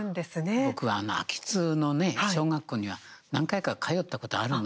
僕はあの秋津の小学校には何回か通ったことあるの。